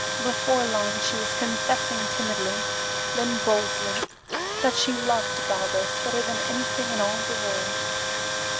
Before long she was confessing timidly, then boldly, that she loved Baldos better than anything in all the world.